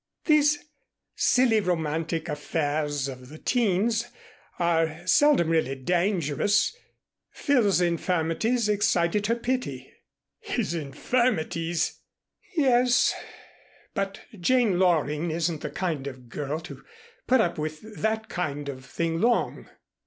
These silly romantic affairs of the teens are seldom really dangerous. Phil's infirmities excited her pity." "His infirmities!" "Yes, but Jane Loring isn't the kind of a girl to put up with that kind of thing long."